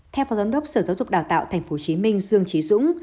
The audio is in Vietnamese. theo phó giám đốc sở giáo dục đào tạo tp hcm dương trí dũng